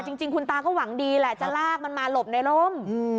จริงคุณตาก็หวังดีแหละจะลากมันมาหลบในร่ม